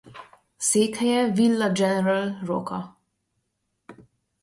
Székhelye Villa General Roca.